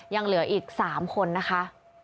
ยังเหลืออีก๓คนนะคะ